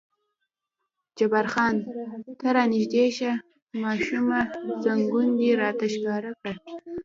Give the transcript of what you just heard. جبار خان: ته را نږدې شه ماشومه، زنګون دې راته ښکاره کړه.